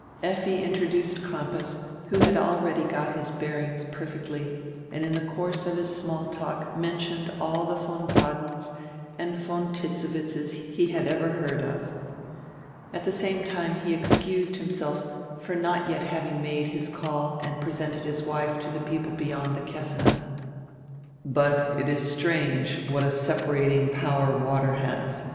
Effi introduced Crampas, who had already got his bear ings perfectly and in die course of his small talk mentioned all die von Paddens and von Titzewitzes he had ever heard of. At die same time he excused himself for not yet having made Ms call and presented his wife to die people beyond die Kessine. "But it is strange what a separating power water has.